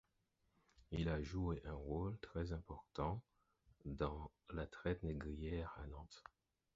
Il a joué un rôle très important dans la traite négrière à Nantes.